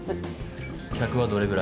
客はどれぐらい？